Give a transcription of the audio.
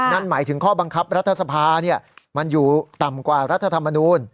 นั่นหมายถึงข้อบังคับรัฐสภามันอยู่ต่ำกว่ารัฐธรรมนูล